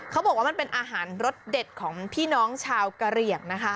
เขาบอกว่ามันเป็นอาหารรสเด็ดของพี่น้องชาวกะเหลี่ยงนะคะ